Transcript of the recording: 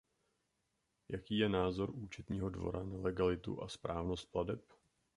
Jaký je názor Účetního dvora na legalitu a správnost plateb?